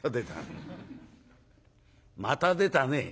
「また出たね」。